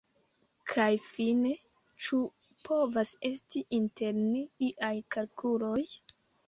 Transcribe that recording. Kaj fine, ĉu povas esti inter ni iaj kalkuloj?